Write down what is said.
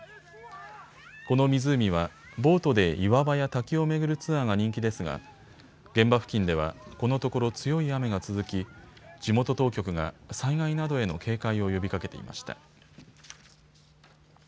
この湖はボートで岩場や滝を巡るツアーが人気ですが現場付近ではこのところ強い雨が続き地元当局が災害などへの警戒を呼びかけていました。